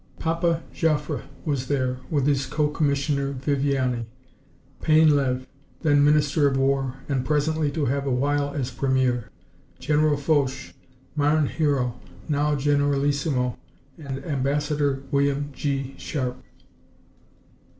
"Papa Joffre" was there, with his co missioner, Viviani; Painleve, then Minister of War, and presently to have a while as Premier; General Foch, Marne hero, now generalissimo, and Ambassador William G. Sharp.